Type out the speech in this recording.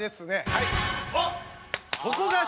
はい！